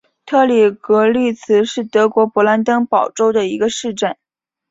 特里格利茨是德国勃兰登堡州的一个市镇。